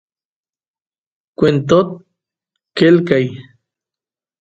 kwentot qelqay